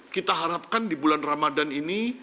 kita harapkan di bulan ramadan ini